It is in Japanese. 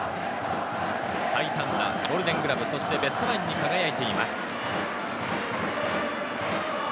最多安打、ゴールデングラブ、ベストナインに輝いています。